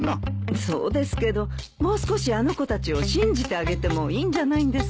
そうですけどもう少しあの子たちを信じてあげてもいいんじゃないんですか？